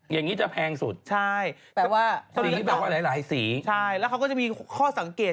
อย่างนี้จะแพงสุดสีแปลว่าหลายสีใช่แล้วเขาก็จะมีข้อสังเกต